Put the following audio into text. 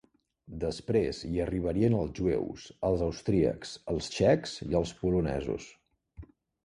Després hi arribarien els jueus, els austríacs, els txecs i els polonesos.